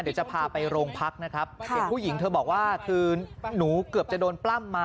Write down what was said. เดี๋ยวจะพาไปโรงพรรคนะครับ